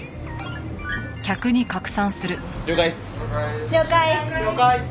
了解っす！